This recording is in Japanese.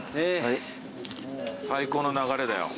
最高の流れだよ。